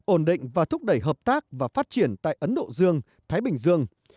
ổn định và thúc đẩy hợp tác và phát triển tại ấn độ dương thái bình dương